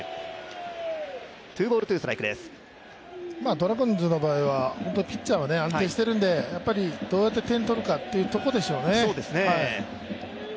ドラゴンズの場合はピッチャーは安定してるんでやっぱりどうやって点を取るかというところでしょうね。